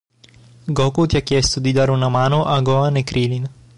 Goku ti ha chiesto di dare una mano a Gohan e Crilin.